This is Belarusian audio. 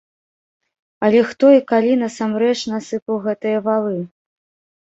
Але хто і калі насамрэч насыпаў гэтыя валы?